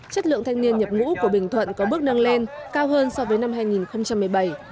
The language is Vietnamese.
chất lượng thanh niên nhập ngũ của bình thuận có bước nâng lên cao hơn so với năm hai nghìn một mươi bảy